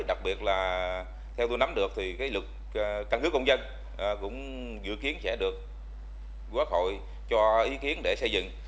đặc biệt là theo tôi nắm được thì cái luật căn cước công dân cũng dự kiến sẽ được quốc hội cho ý kiến để xây dựng